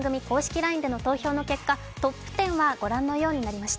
ＬＩＮＥでの投票からトップ１０はご覧のとおりになりました。